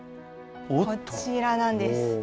こちらなんです。